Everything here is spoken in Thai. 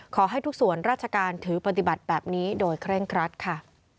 ขอให้ทุกส่วนราชการถือปฏิบัติแบบนี้โดยเคร่งครัดค่ะ